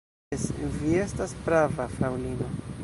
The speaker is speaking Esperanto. Jes, vi estas prava, fraŭlino.